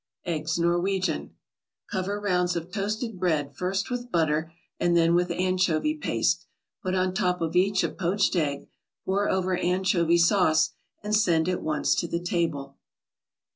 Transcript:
EGGS NORWEGIAN Cover rounds of toasted bread first with butter and then with anchovy paste, put on top of each a poached egg, pour over anchovy sauce, and send at once to the table.